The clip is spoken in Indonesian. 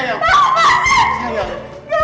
ini akal akalan lu kan